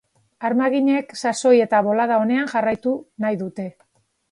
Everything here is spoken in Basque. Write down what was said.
Armaginek sasoi eta bolada onean jarraitu nahi dute.